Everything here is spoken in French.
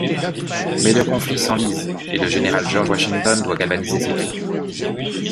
Mais le conflit s’enlise, et le général George Washington doit galvaniser ses troupes.